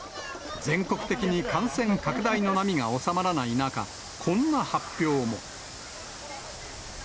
全国的に感染拡大の波が収まらない中、こんな発表も。